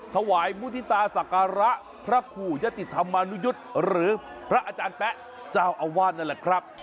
ถวายมุฒิตาศักระพระขู่ยติธรรมนุยุทธ์หรือพระอาจารย์แป๊ะเจ้าอาวาสนั่นแหละครับ